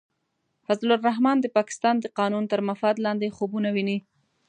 فضل الرحمن د پاکستان د قانون تر مفاد لاندې خوبونه ویني.